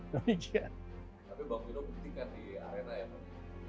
tapi bang pino berhentikan di arena ya pak